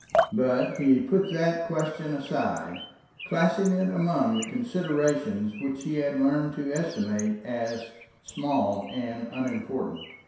But he put that question aside, classing it among the considerations which he had learnt to estimate as small and unimportant.